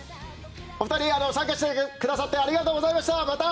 お二人、参加してくださってありがとうございました。